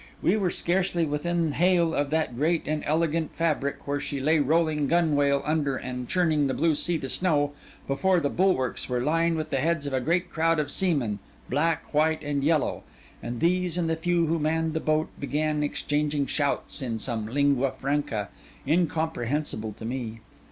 We were scarcely within hail of that great and elegant fabric, where she lay rolling gunwale under and churning the blue sea to snow, before the bulwarks were lined with the heads of a great crowd of seamen, black, white, and yellow; and these and the few who manned the boat began exchanging shouts in some lingua franca incomprehensible to me.